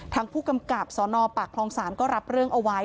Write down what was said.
ทางผู้กำกับสนปากคลองศาลก็รับเรื่องเอาไว้